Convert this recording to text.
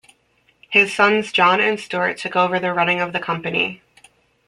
His sons John and Stuart took over the running of the company.